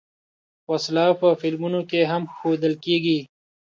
وسله په فلمونو کې هم ښودل کېږي